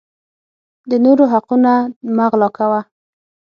د نورو حقونه مه غلاء کوه